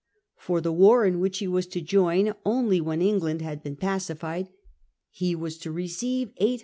For the war, in which he was to join only when England had been pacified, he was to receive 800,000